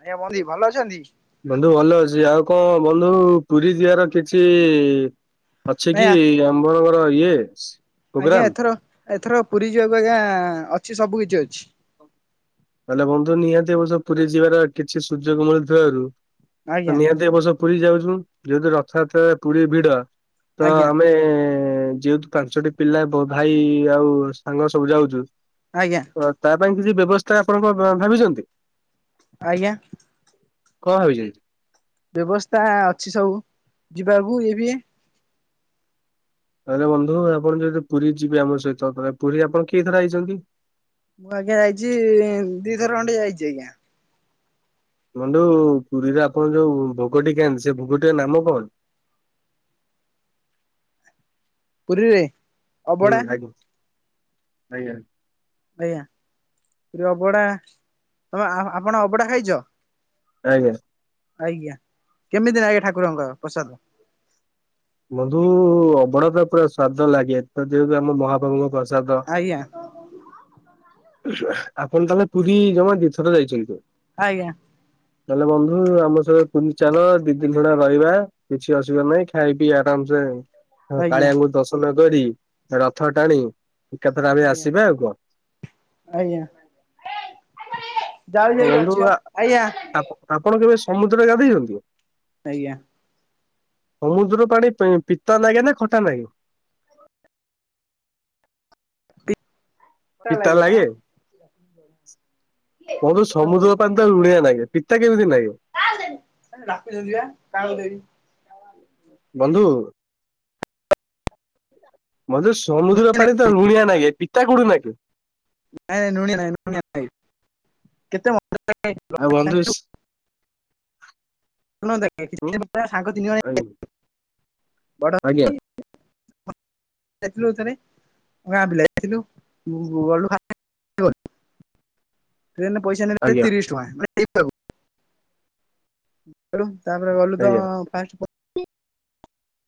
ଆଜ୍ଞା ବନ୍ଦି ଭଲ ଅଛନ୍ତି। ବନ୍ଧୁ ଭଲ ଅଛି ଆଉ କଣ ବନ୍ଧୁ ପୁରୀ ଯିବାର କିଛି ଅଛି କି ନାଇଁ ଆମ୍ଭନଗର ଇଏସ ଆଜ୍ଞା ଏଥର ଏଥର ପୁରୀ ଯିବାକୁ ଆଜ୍ଞା ଅଛି ସବୁ କିଛି ଅଛି। ତାହଲେ ବନ୍ଧୁ ନିହାତି ଏବର୍ଷ ପୁରୀ ଯିବାର କିଛି ସୁଯୋଗ ମିଳୁଥିବାରୁ ଆଜ୍ଞା ନିହାତି ଏବର୍ଷ ପୁରୀ ଯାଉଛୁ ଯେହେତୁ ରଥଯାତ୍ରା ପୁରୀ ଭିଡ଼ ତ ଆଜ୍ଞା ଆମେ ଯେହେତୁ ପାଞ୍ଚଟି ପିଲା ଭାଇ ଆଉ ସାଙ୍ଗ ସବୁ ଯାଉଛୁ। ଆଜ୍ଞା। ତା ପାଇଁ କିଛି ବ୍ୟବସ୍ଥା ଆପଣଙ୍କ କଣ ଭାବିଛନ୍ତି? ଆଜ୍ଞା। କଣ ଭାବିଚେ ବ୍ୟବସ୍ଥା ଅଛି ସବୁ ଯିବାକୁ ଏ ବି ତାହଲେ ବନ୍ଧୁ ଆପଣ ଯଦି ପୁରୀ ଯିବେ ଆମ ସହିତ ତାହେଲେ ପୁରୀ ଆପଣ କିଏ ଥର ଆଇଛନ୍ତି? ମୁଁ ଆଜ୍ଞା ଯାଇଛି ଦିଥର ଖଣ୍ଡେ ଯାଇଛି ଆଜ୍ଞା। ମୁଣ୍ଡୁ ପୁରୀରେ ଆପଣ ଯୋଉ ଭୋଗଟି କେନ୍ତି ସେ ଭୋଗଟିର ନାମ କଣ? ପୁରୀରେ ହୁଁ ଅବଢା ଆଜ୍ଞା ଆଜ୍ଞା। ଆଜ୍ଞା ପ ଅଭଢ଼ା ତମେ ଆପଣ ଅଭଢା ଖାଇଛ। ଆଜ୍ଞା। ଆଜ୍ଞା କେମିତିି ନଗେ ଠାକୁରଙ୍କ ପ୍ରସାଦ? ବନ୍ଧୁ ଅଭଡ଼ା ତ ପୁରା ସ୍ଵାଦ ଲାଗେ ତ ଯେହେତୁ ଆମ ମହାପ୍ରଭୁଙ୍କ ପ୍ର ଜଦ। ଆଜ୍ଞା ଆପଣ ତାହେଲେ ପୁରୀ ଜମା ଦୁଇଥର। ଯାଇଛନ୍ତି। ଆଜ୍ଞା। ନହେଲେ ବନ୍ଧୁ ଆମ ସହ ପୁରୀ ଚାଲ ଦି ଦିନ ଖଣ୍ଡେ ରହିବା କିଛି ଅସୁବିଧା ନାହିଁ ଖାଇ ପି ଆରାମସ ଆଜ୍ଞା କାଳିଆଙ୍କୁ ଦର୍ଶନ କରି ରଥ ଟାଣି। ଏକାଥର ଆମେ ଆଜ୍ଞା। ଆସିବା ଆଉ କଣ। ଆଜ୍ଞା। ଯାଉ ତ ଯାଉ ବନ୍ଧୁ ଅଛି ବା ଆ ଆଜ୍ଞା ଆପଣ କେବେ ସମୁଦ୍ରରେ ଗାଧେଇଛନ୍ତି? ଆଜ୍ଞା। ସମୁଦ୍ର ପାଣି ପେ ପିତା ଲାଗେ ନା ଖଟା ନାଗେ। ପିତା ଚିତା ଆଁ। ଲାଗେ। ବନ୍ଧୁ ସମୁଦ୍ର ପାଇଁ ତ ଲୁନିଆ ଲାଗେ ନାହିଁ ପିତା କେମିତି ନାଗେ? [unintelligible] ବନ୍ଧୁ। ମତେ ନାଇଁ ସମୁଦ୍ର ପାଣି ତ ଲୁଣିଆ ନାଗେ ପିତା କୋଉଥି ଲାଗେ। ନାଇଁ ନାଇଁ [unintelligible] ନାଇଁଆ ନାଇଁ କେତେ। ଆଉ ବନ୍ଧୁସ [unintelligible] ସାଙ୍ଗ ତିନି ଜଣ ବଡ। [inaudible] ଯାଇଥିଲୁ ଥରେ [unintelligible] ଗଲୁ ଯାଇଥିଲୁ। [inaudible] ଟ୍ରେନରେ ପଇସା ନେବେ ଆଜ୍ଞା ତିରିଶ ଟଙ୍କା ନେଇଥାଉ। ତାପରେ ଗଲୁ ତ ଆଜ୍ଞା ଫାଷ୍ଟ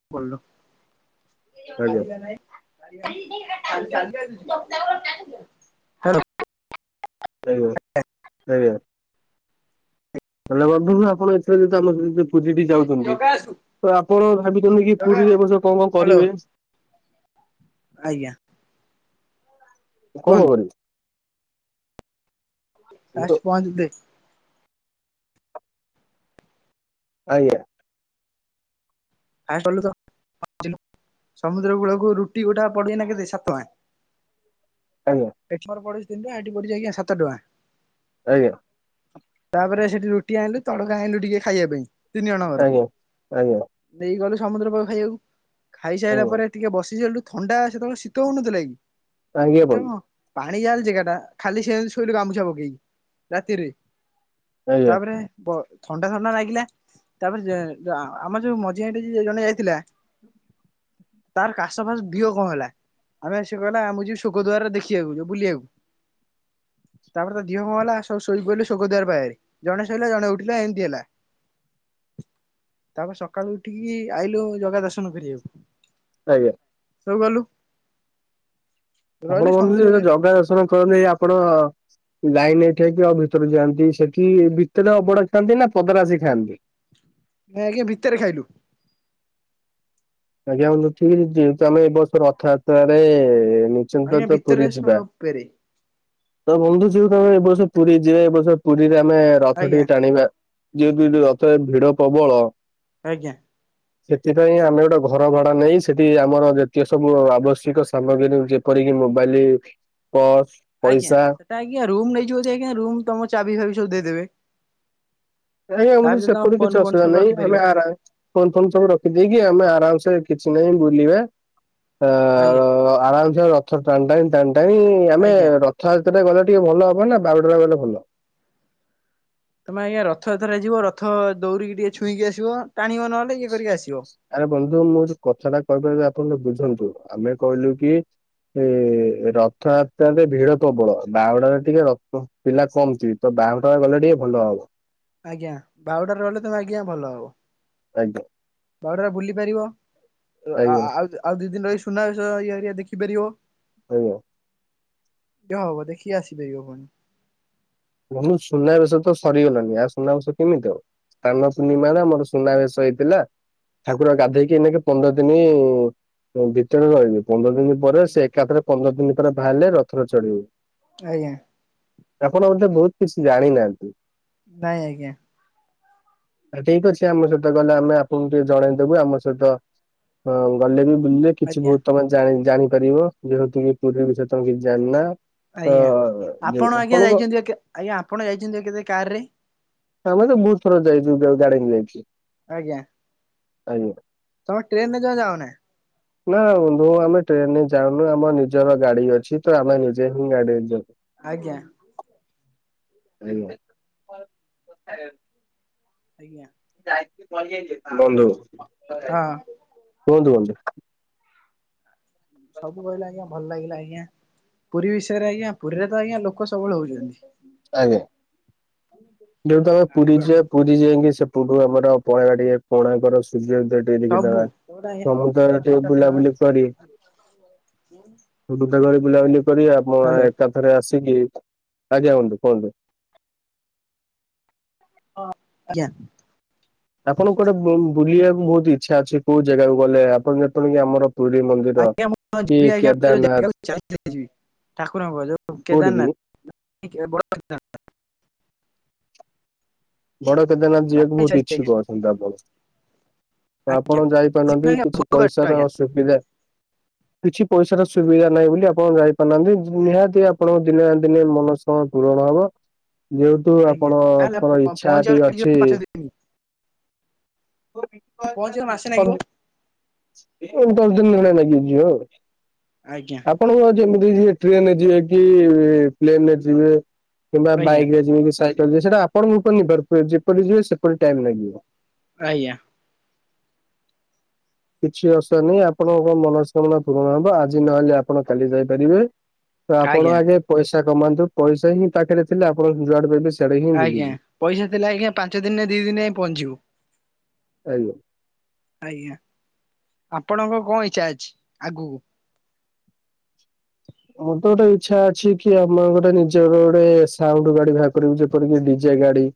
[unintelligible] ନାହିଁ। ଆଜ୍ଞା [unintelligible] ସେଇବ ଆଜ୍ଞା। ହେଲେ ବନ୍ଧୁ ଆପଣ ଏଥରେ ଯଦି ଆମ [unintelligible] ପୁରୀଟି ଯାଉଛନ୍ତି ଜଗା ଆସୁ ତ ଆପଣ ଭାବିଛନ୍ତି କି ଜଗା ପୁରୀରେ ଆସୁ। ଏ ବଷ କଣ କଣ ହ୍ୟାଲୋ କରିବେ? ଆଜ୍ଞା। କଣ କୁହନ୍ତୁ କରିବି? ଫାଷ୍ଟ ପହଞ୍ଚିବେ। ଆଜ୍ଞା। ଫାଷ୍ଟ ଗଲେ ତ [unintelligible] ସମୁଦ୍ର କୂଳକୁ ରୁଟି ଗୋଠା ପଡୁଛି ନା କେତେ ସାତାଁ। ଆଜ୍ଞା। ପେପର ପଡିଚି ତିନି ଟଙ୍କା ହେଟି ପଡିଛି ଯାଇକି ସାତ ଟଙ୍କା। ଆଜ୍ଞା। ତାପରେ ସେଠି ରୁଟି ଆଣିଲୁ ତଡ଼କା ଆଣିଲୁ ଟିକେ ଖାଇବା ପାଇଁ। ତିନି ଜଣଙ୍କର। ଆଜ୍ଞା ଆଜ୍ଞା। ନେଇ ଗଲୁ ସମୁଦ୍ର କୂଳ ଖାଇବାକୁ ଖାଇସାରିଲା ପରେ ଟିକେ ବସି ସାରିଲୁ ଥଣ୍ଡା ସେତେବେଳେ ଶୀତ ହଉନଥିଲା କି ଆଜ୍ଞା ଶୀତ ବନ୍ଧୁ କଣ ପାଣି ଜାଲି ଯୋଟା ଖାଲି ସେ ଶୋଇଲୁ ଗାମୁଛା ପକେଇକି ରାତିରେ। ଆଜ୍ଞା ତାପରେ ପ ଥଣ୍ଡା ଥଣ୍ଡା ଲାଗିଲା ତାପରେ ଯେ ଯା ଆମର ଯୋଉ [unintelligible] ଜଣେ ଯାଇଥିଲା ତାର କାଶ ଫାସ ଦିଅ କଣ ହେଲା। ଆମେ ସିଏ କହିଲା ଆମ ଯିବି ଶୋକଦ୍ୱାର ଦେଖିବାକୁ ଯଉ ବୁଲିବାକୁ। ତାପରେ ତାଅ ଦିଅ କଣ ହେଲା ସବୁ ଶୋଇ ପଡ଼ିଲେ ଶୋକଦ୍ୱାର ବାରେ ଜଣେ ଶୋଇଲା ଜଣେ ଉଠିଲା ଏମିତି ହେଲା। ତାପରେ ସକାଳୁ ଉଠିକି ଆଇଲୁ ଜଗା ଦର୍ଶନ କରିବାକୁ। ଆଜ୍ଞା। ସବୁ ଗଲୁ। ରହିଲୁ ଆପଣ କହନ୍ତି ସମୁଦ୍ରରେ ଜଗା ଦର୍ଶନ କରନି ଆପଣ ଲାଇନ ଏଇଠି ହେଇକି ଆଉ ଭିତରୁ ଯାଆନ୍ତି ସେଠି ଭିତରେ ଅବଡଡ଼ା ଖାଆନ୍ତି ନା ପଦରା ଆସି ଖାଆନ୍ତି। ନାଇଁ ଆଜ୍ଞା ଭିତରେ ଖାଇଲୁ। ଆଜ୍ଞା ହୁ [unintelligible] ଯେହେତୁ ଆମେ ଏ ବର୍ଷ ରଥଯାତ୍ରାରେ ମ ଆଜ୍ଞା [unintelligible] ଭିତରେ ପୁରୀ ସଭା ଯିବା। ଉପରେ ତ ବନ୍ଧୁ ଯଉ ତମେ ଏ ବର୍ଷ ପୁରୀ ଯିବ ଏ ବର୍ଷ ପୁରୀରେ ଆମେ ରଥ ଆଜ୍ଞା ଟିକେ ଟାଣିବା। ଯେହେତୁ ଏ ଯୋଉ ରଥରେ ଭିଡ ପ୍ରବଳ ଆଜ୍ଞା। ସେଥିପାଇଁ ଆମେ ଗୋଟେ ଘର ଭଡା ନେଇ, ସେଠି ଆମର ଯେତେ ସବୁ ଆବଶ୍ୟକ ସାମଗ୍ରୀ ଯେପରିକି ମୋବାଇଲ ପର୍ସ ଆଜ୍ଞା, ପଇସା ସେଟା ଆଜ୍ଞା ରୁମ ନେଇଯିବ ଆଜ୍ଞା ରୁ ତମ ଚାବି ଫାବି ସବୁ ଦେଇଦେବେ। ଆଜ୍ଞା, ତା ଆମ ଭିତରେ ତମ ସେପଟ ଫୋନ କିଛି ଫୋନ ଅସୁିଧା ସବୁ ନାହିଁ ରଖିପାରିବ ଆମେ ଆର ଫୋନ ଫୋନ ସବୁ ରଖିଦେଇକି ଆମେ ଆରାମସ କିଛି ନାହିଁ ବୁଲିବା। ଆ, ଆଜ୍ଞା ଆରାମସେ ରଥ ଟାଣି ଟାଣି ଟାଣିଟାଣି ଆମେ ଆଜ୍ଞା ର ସେତଟା ଗଲେ ଟିକେ ଭଲ ହବ ନା, ବାହୁଡ଼ାରେ ଗଲେ ଭଲ। ତମେ ଆଜ୍ଞା ରଥ ଯାତ୍ରାରେ ଯିବ ରଥ ଦଉଡିକି ଟିକେ ଛୁଇଁକି ଆସିବ, ଟାଣିବ ନହଲେ ଆରେ ବନ୍ଧୁ, ମୁଁ ଯୋଉ କଥାଟା କହପାର ଆପଣ ବୁଝନ୍ତୁ, ଆମେ କହିଲୁ କି? ଏ ରଥଯାତ୍ରାରେ ଭିଡ ପ୍ରବଳ, ବାରଡାରେ ଟିକେ ରଥନ ପିଲା କମଥିବ ତ ବାହୁଡ଼ା ରେ ଗଲେ ଟିକେ ଭଲ ହବ ଆଜ୍ଞା, ବାହୁଡ଼ାରେ ଗଲେ ତମେ ଆଜ୍ଞା ଭଲ ହବ। ଆଜ୍ଞା। ବାହୁଡ଼ା ରେ ବୁଲି ପାରିବ। ଆଜ୍ଞା ଆଉ ଆଉ ଦି ଦିନ ର ସୁନା ଇ ଏରିଆ ଦେଖିପାରିବ। ଆଜ୍ଞା। ଯାହା ହବ, ଦେଖି ଆସିପାରିବ ପୁଣି। ନୁ ସୁନାବେଶ ତ ସରିଗଲଣିି, ଆ ସୁନାବେଶ କେମିତି ହବ? ସ୍ଥାନ ପୂର୍ଣ୍ଣିମା ଆମର ସୁନାବେେଶ ହେଇଥିଲା, ଠାକୁର ଆଜ୍ଞା ଗାଧେଇକି ଏକ ପନ୍ଦର ଦିନ ଭିତରେ ରହିବି, ପନ୍ଦର ଦିନ ପରେ ଆଜ୍ଞା ସେ ଏକାଥରେ ପନ୍ଦର ଦିନ ପରେ ବାହାରିଲେ ରଥର ଚଢିବୁ। ଆଜ୍ଞା। ଆପଣ ମତେ ବହୁତ କିଛି ଜାଣି ନାହାନ୍ତି? ନାଇଁ ଆଜ୍ଞା। ଠିକ ଅଛି ଆମ ସହିତ ଗଲେ, ଆମେ ଆପଣଙ୍କୁ ଟିକେ ଜଣେଇଦବୁ, ଆମ ସହିତ ହଁ ଗଲେ ବି ବୁଲିବେ। କିଛି ଆଜ୍ଞା ବହୁତ ତମେ ଜା ଜାଣିପାରିବ ଯେହେତୁ କି ପୁରୀରେ ବିଷୟରେ ତମେ କିଛି ଜାଣିନା ତ ଆଜ୍ଞା। ଅ ଆପଣ ଆଜ୍ଞା ଆପଣଙ୍କ ଯାଇଛନ୍ତି କେ ଆଜ୍ଞା ଆପଣ ଯାଇଛନ୍ତି ତ କେବେ କାର୍ ରେ? ଆମେ ତ ବହୁତ ଥର ଯାଇଛୁ ଗାର୍ଡେନ ଯାଇଛୁ। ଆଜ୍ଞା। ଆଜ୍ଞା। ତମେ ଟ୍ରେନରେ ଜମା ଯାଅନାଇ। ନା ବନ୍ଧୁ ଆମେ ଟ୍ରେନରେ ଯାଉନୁ ଆମ ନିଜର ଗାଡି଼ ଅଛି ତ ଆମେ ନିଜେ ହିଁ ଗାଡ଼ିରେ ଯାଉ। ଆଜ୍ଞା। ହେଲେ। ଆଜ୍ଞା। ନାଇ ପଳେଇ ଆଇଲି ବନ୍ଧୁ ହଁ। କୁହନ୍ତୁ? ସବୁ କହିଲା ଆଜ୍ଞା, ଭଲ ଲାଗିଲା ଆଜ୍ଞା। ପୁରୀ ବିଷୟରେ ଆଜ୍ଞା, ପୁରୀରେ ତ ଆଜ୍ଞା ଲୋକ ସବୁବେଳେ ହଉଛନ୍ତି। ଆଜ୍ଞା ଯେହେତୁ ଆମେ ପୁରୀ ଆଜ୍ଞା ଯିବା ପୁରୀ ଯାଇକି ସେପଟୁ ଆମର [unintelligible] କୋଣାର୍କର ସୂର୍ଯ୍ୟ ଉଦୟ ସବୁ କୋଉଟା ବୁଲାବୁଲି ଆଜ୍ଞାନ୍ଦ ଗୁଟା ଘଳି ବୁଲାବୁଲି କରି ଆପଣ ଏକାଥରେ ଆସିକି ଆଜ୍ଞା ବନ୍ଧୁ କୁହନ୍ତୁ? ହ ଆଜ୍ଞା। ଆପଣଙ୍କୁ କୁଆଡେ ବୁଲିବାକୁ ବହୁତ ଇଚ୍ଛା ଅଛି, କୋଉ ଜାଗାକୁ ଗଲେ ଆପଣ ଯେପରିକି ଆମର ପୁରୀ ମନ୍ଦିର ଆଜ୍ଞା ମୁଁ-କ କି ଯିବି ଆଜ୍ଞା କେଦାରନାଥ [inaudible] ଠାକୁରଙ୍କ ଯୋଉ କୋଉଠିକି କେଦାରନାଥ। [inaudible] ବଡ଼ କେଦାରନାଥ ଭାରି ଯିବାକୁ ଇଚ୍ଛା ବହୁତ ଅଛି ଆଜ୍ଞା। ଇଚ୍ଛୁକ ଅଛନ୍ତି, ଆପଣ? ଆପଣ ଆଜ୍ଞା। ଯାଇପାରୁନାନନ୍ତି କିଛି ପଇସାର ଅସୁବିଧା- କିଛି ପଇସାର ସୁବିଧା ନାହିଁ ବୋଲି ଆପଣ ଯାଇପାରୁନାହାନ୍ତି, ନିହାତି ଆପଣଙ୍କ ଦିନେ ନା ଦିନେ ମନସ କଣ ପୂରଣ ହବ, ଯେହେତୁ ଆପଣ କଣ ପହଞ୍ଚିବା ପାଇଁ ଲାଗିବ ପାଞ୍ଚଦିନ ପହଞ୍ଚିବାକୁ ମାସେ ଲାଗିବ ଦଶ ଦିନ ଭଳିଆ ଲାଗିଯିବ ଆଉ ଆଜ୍ଞା ଆପଣଙ୍କ ଯେମିତି ଯେ ଟ୍ରେନରେ ଯିବେ କି ପ୍ଲେନ ରେ ଯିବେ କିମ୍ବା ଆଜ୍ଞା ବାଇକ ରେ ଯିବେ କି ସାଇ ସେଟା ଆପଣଙ୍କ ଉପରେ ନିର୍ଭର କରେ, ଯେପରି ଯିବେ ସେପରି ଟାଇମ ଲାଗିବ। ଆଜ୍ଞା। କିଛି ଅସୁବିଧା ନାହିଁ ଆପଣଙ୍କ ମନସ୍କାମନା ପୂରଣ ହବ ଆଜି ନହେଲେ ଆପଣ କାଲି ଯାଇପାରିବେ। ତ ଆପଣ ଆଜ୍ଞା ଆଗେ ପଇସା କମାନ୍ତୁ ପଇସା ହିଁ ପାଖରେ ଥିଲେ ଆପଣ ଯୁଆଡେ଼ ପାଇବେ ସିଆ ଆଜ୍ଞା ପଇସା ଥିଲା ଆଜ୍ଞା, ପାଞ୍ଚ ଦିନ ନା ଦି ଦିନ ଯାଇ ପହଞ୍ଚିବ। ଆଜ୍ଞା। ଆଜ୍ଞା, ଆପଣଙ୍କ କଣ ଇଚ୍ଛା ଅଛି ଆଗକୁ? ମୋର ତ ଗୋଟେ ଇଛା ଅଛି କି ଆମର ଗୋଟେ ନିଜର ଗୋଟେ ସାଉଣ୍ଡ ଗାଡ଼ି ବାହାର କରିବୁ, ଯେ ଏପରିକି ଡି଼ଜେ ଗାଡ଼ି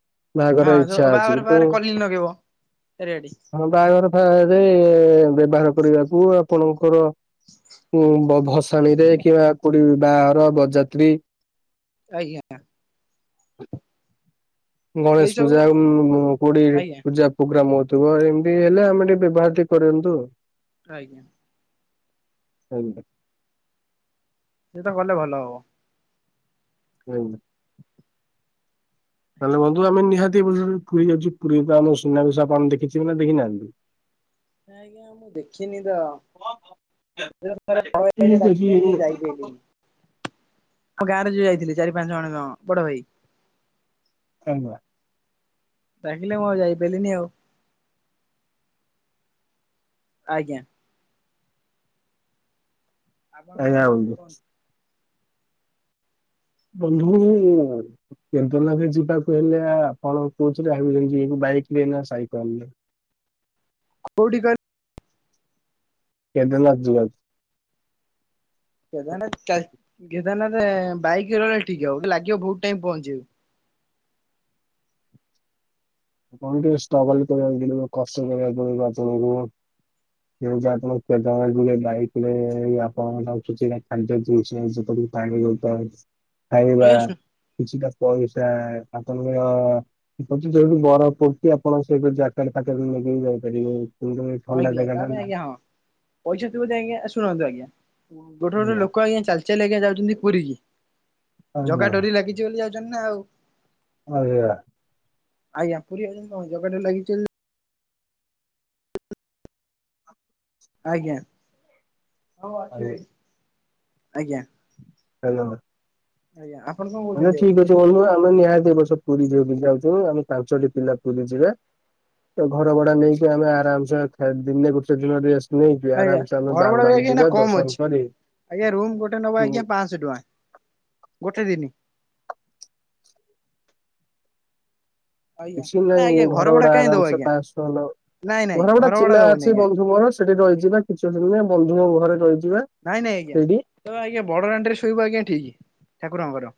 ହଁ ଯୋ ବାହାଘରେ ଫାଘରେ କଲିଙ୍ଗ୍ ଲଗେଇବ ରେଡି। ହଁ ବାହାଘର ଫାଘରେ-ଏ-ଏ-ଏ ବ୍ୟବହାର କରିବାକୁ ଆପଣଙ୍କର ଉ-ଉ ଭସାଣିରେ କିମ୍ବା କୋଉଠି ବାହାଘର, ବରଯାତ୍ରୀ ଆଜ୍ଞା। ଏଇ ଗଣେଶ ସବୁ ପୂଜା ଉ-ଉ-ଉ-ଉ କୋଡି଼ ଆଜ୍ଞା ପୂଜା ପ୍ରୋଗ୍ରାମ ହଉଥିବ ଏମିତି ହେଲେ ଆମେ ଟିକେ ବ୍ୟବହାର ଟିକେ କରନ୍ତୁ। ଆଜ୍ଞା। ଆଜ୍ଞା। ସେଇଟା କଲେ ଭଲ ହବ। ହ [unintelligible] ତାହାଲେ ବନ୍ଧୁ ଆମେ ନିହାତି-ପୁରୀ ଯାଉଛୁ। ପୁରୀ ରେ ପା ଆମ ସୁନାବେଶ ଆପଣ ଦେଖିଥିବେ ନା ଦେଖିନାହାନ୍ତି। ନାଇଁ ଆଜ୍ଞା ମୁଁ ଦେଖିନି ତ। ଦେହ ଖରାପ [unintelligible] ଡାକିଲେ ମୁଁ ଟିକେ ଯାଇ ପାରିଲିନି। ଆଉ ଗାଁ ରେ ଯିଏ ଯାଇଥିଲେ ଚାରି ପାଞ୍ଚ ଜଣ ଜଣ ବଡ ଭାଇ। ଆଜ୍ଞା। ଟାଙ୍ଗିଲେ ମୁଁ ଆଉ ଯାଇପାରିଲିନି ଆଉ। ଆଜ୍ଞା। ଆପଣ କଣ ଆଜ୍ଞା ଆଜ୍ଞା କହୁଚନ୍ତି ବନ୍ଧୁ କୁହନ୍ତୁ? ବନ୍ଧୁ [unintelligible] କେନ୍ଦ୍ରନାଥ ଯିବାକୁ ହେଲେ, ଆପଣ କହୁଥିଲେ ଯେ ବାଇକ ରେ ନା ସାଇକେଲରେ। କୋଉଠି କ କେଦାରନାଥ ଯିବାକୁ। କେଦାରନାଥ, କେଦାରନାଥ ବାଇକ ରହିଲେ ଠିକ ହବ ଟିକେ ଲାଗିବ ବହୁତ ଟାଇମ ପହଞ୍ଚିବାକୁ। ଆପଣଙ୍କୁ ଟିକେ ଷ୍ଟ୍ରଗଲ କରିବାକୁ ପଡିବ, କଷ୍ଟ କରିବାକୁ ପଡିବ ଆପଣଙ୍କୁ। ଏଇ ଯେ ଆପଣ କେଦା ଭାଇଙ୍କୁ ନେଇ ଯାଇଥିଲେ ଆପଣଙ୍କ ଠୁ କିଛି ଟା ଜିନିଷ ଖାଇଛନ୍ତି ପିଛନ୍ତି। [unintelligible] [unintelligible] ଖାଇବା, ଆଜ୍ଞା ଶୁ କିଛିଟା ପଇସା ଆପଣଙ୍କର [unintelligible] ବରଫ ହଉଛି ଆପଣ ସେଇଠୁ ଜ୍ୟାକେଟ ଫ୍ୟାକେଟ ନେଇକି ଯାଇପାରିବେ କିନ୍ତୁ ଏ ଥଣ୍ଡା ଆଜ୍ଞା ଜାଗା ତା ଟା ପାଇଁ ନା। ଆଜ୍ଞା ହଁ ପଇସା ଥିବ ଯଦି ଆଜ୍ଞା ଶୁଣନ୍ତୁ ଆଜ୍ଞା ଗୋଟେ ଗୋଟେ ଲୋକ ଆଜ୍ଞା ଚାଲି ଚାଲି ଚାଲି ଆଜ୍ଞା ଯାଉଛନ୍ତି ପୁରୀ କି, ଜଗା ଆଜ୍ଞା ଡୋରି ଲାଗିଛି ବୋଲି ଯାଉଛନ୍ତି ନା ଆଉ। [unintelligible] ଆଜ୍ଞା। ଆଜ୍ଞା ପୁରୀ [unintelligible] କଣ ଜଗା ଡୋରି ଲାଗିଛି ବୋଲି। ଆଜ୍ଞା ଆଜ୍ଞା ଆଜ୍ଞା। ହାଲୋ। ଆଜ୍ଞା ଆପଣ କଣ କହୁଛନ୍ତି ଆଉ? ସେଇଠୁ ଆମେ ନିହାତି ଏ ବର୍ଷ ପୁରୀ ଯିବୁ ବୁଲିବାକୁ ଯାଉଛୁ ଆମେ ପାଞ୍ଚଟି ପିଲା ପୁରୀ ଯିବେ। ତ ଘର ଭଡା ନେଇକି ଆମେ ଆରାମସେ ଖାଇ ପିଇ ଦିନେ ଗୋଟେ ଦିନ ରେଷ୍ଟ୍। ଆଜ୍ଞା ଘରଭଡା ବି ଏବେ ଆଜ୍ଞା କମ ଦର୍ଶନ ଅଛି କରି ଆଜ୍ଞା ରୁମ୍ ଗୋଟେ ନବା ହୁଁ ଆଜ୍ଞା ପାଆଂସ। କେତେ ଟଙ୍କା ଗୋଟେ ଦିନ? ଆଜ୍ଞା କିଛି ନା ନାହିଁ ଆଜ୍ଞା ଘର ଭଡା କାଇଁ ଆରାମ ଦବ ସେ ଆଜ୍ଞା ପାନ୍ସ ନାଇଁ ନାଇଁ ଘର ଭଡା ଚିହ୍ନା ଦବନି ଅଛି ଆଜ୍ଞା। ବନ୍ଧୁ ମୋର। ସେଠି ରହିଯିବା କିଛି ଦିନ ବନ୍ଧୁଙ୍କ ଘରେ ରହିଯିବା ନାଇଁ ନାଇଁ ଆଜ୍ଞା ସେଇଠି ତମେ ଆଜ୍ଞା ବଡ ଦାଣ୍ଡ ରେ ଶୋଇବୁ ଆଜ୍ଞା ଠିକ୍ ଠାକୁରଙ୍କର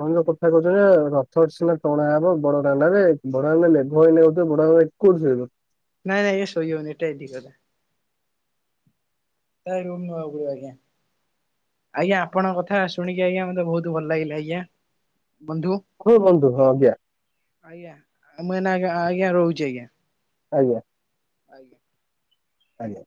ତମେ ଯୋଉ କଥା କହୁଛ ଯେ ରଥ ସିନା ଟଣା ହବ ବଡଡାଣ୍ଡରେ [unintelligible] ଭଡା ଆମେ ଲେଘ ହେଇଉ ବଡ [unintelligible] କୋଉଠି ଶୋଇବ? ନାଇଁ ଆଜ୍ଞା ଶୋଇହବନି ଏଟା [unintelligible] ନାଇଁ ରୁମ୍ ନବାକୁ ପଡ଼ିବ ଆଜ୍ଞା। ଆଜ୍ଞା ଆପଣଙ୍କ କଥା ଶୁଣିକି ଆଜ୍ଞା ମତେ ବହୁତ ଭଲ ଲାଗିଲା ଆଜ୍ଞା, ବନ୍ଧୁ। ହଁଉ ବନ୍ଧୁ ହଁ ଆଜ୍ଞା। ଆଜ୍ଞା ମୁଁ ଏଇନେ ଆଜ୍ଞା ଆଜ୍ଞା ରହୁଛି ଆଜ୍ଞା। ଆଜ୍ଞା। ଆଜ୍ଞା। ଆଜ୍ଞା।